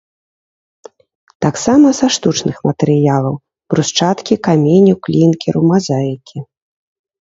Таксама са штучных матэрыялаў: брусчаткі, каменю, клінкеру, мазаікі